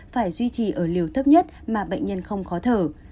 phải duy trì ở liều thấp nhất mà bệnh nhân không khó thở